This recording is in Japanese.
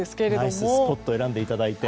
ナイススポットを選んでいただいて。